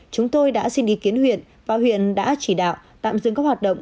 chúng tôi đã xin ý kiến huyện và huyện đã chỉ đạo tạm dừng các hoạt động